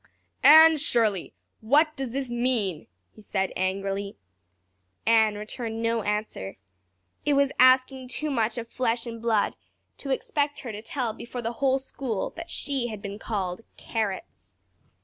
"Anne Shirley, what does this mean?" he said angrily. Anne returned no answer. It was asking too much of flesh and blood to expect her to tell before the whole school that she had been called "carrots."